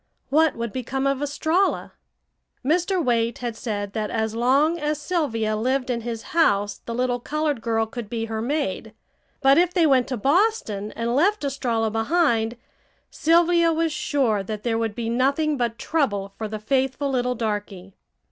What would become of Estralla? Mr. Waite had said that as long as Sylvia lived in his house the little colored girl could be her maid. But if they went to Boston and left Estralla behind Sylvia was sure that there would be nothing but trouble for the faithful little darky.